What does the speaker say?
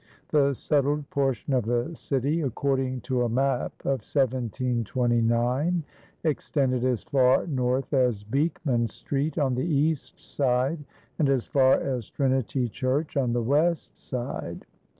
The settled portion of the city, according to a map of 1729, extended as far north as Beekman Street on the East Side and as far as Trinity Church on the West Side.